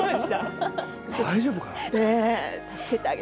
大丈夫かなと。